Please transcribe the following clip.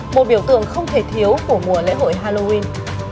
một biểu tượng không thể thiếu của mùa lễ hội halloween